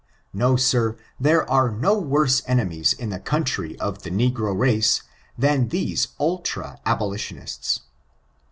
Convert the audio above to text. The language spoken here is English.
No, sir, there are no worse enemies in the country of the negro race 468 STRICTUBES than these ultra abolitionists.